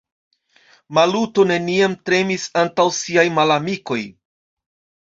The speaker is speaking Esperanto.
Maluto neniam tremis antaŭ siaj malamikoj.